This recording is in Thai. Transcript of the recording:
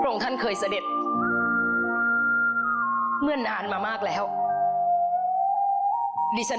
ของท่านได้เสด็จเข้ามาอยู่ในความทรงจำของคน๖๗๐ล้านคนค่ะทุกท่าน